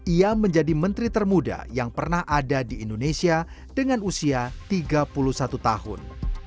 ia menjadi menteri termuda yang pernah ada di indonesia dengan usia tiga puluh satu tahun